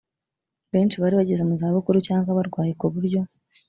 benshi bari bageze mu za bukuru cyangwa barwaye ku buryo